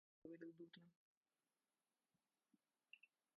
Он никогда ни о ком не говорил дурно.